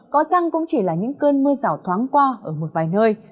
có chăng cũng chỉ là những cơn mưa rào thoáng qua ở một vài nơi